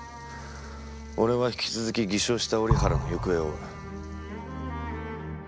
俺は引き続き偽証した折原の行方を追う。